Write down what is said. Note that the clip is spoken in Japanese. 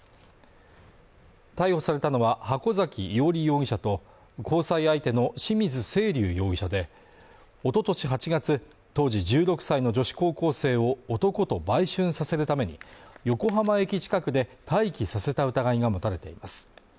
逮捕されたのは箱崎唯織容疑者と交際相手の清水静龍容疑者でおととし８月、当時１６歳の女子高校生を男と売春させるために横浜駅近くで待機させた疑いが持たれています